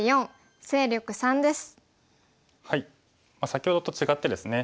先ほどと違ってですね